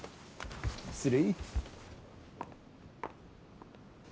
失礼。